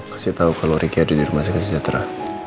kasih tau kalo ricky ada di rumah saya ke segera jatara